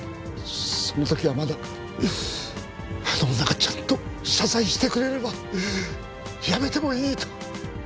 その時はまだあの女がちゃんと謝罪してくれればやめてもいいと。